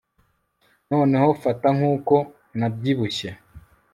noneho fata nkuko nabyibushye